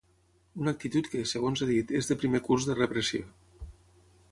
Una actitud que, segons ha dit, és de primer curs de repressió.